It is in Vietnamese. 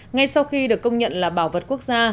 ngay sau khi được công nhận là bảo vật quốc gia